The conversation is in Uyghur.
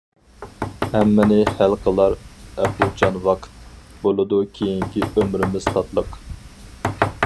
ھەممىنى ھەل قىلار ئەپۇچان ۋاقىت، بولىدۇ كېيىنكى ئۆمرىمىز تاتلىق.